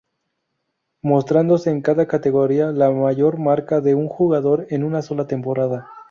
Mostrándose en cada categoría la mayor marca de un jugador en una sola temporada.